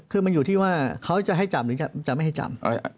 คือมันอยู่ที่ว่าเขาจะให้จับหรือจะไม่ให้จับ